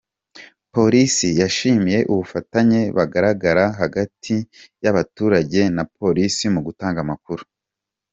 Polisi yashimiye ubufatanye bugaragara hagati y’abaturage na Polisi mu kugutanga amakuru.